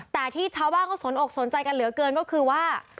แต่ที่ชาวบ้านเขาสนอกสนใจกันเหลือเกินก็คือว่า